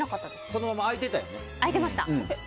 そのまま開いてたよ。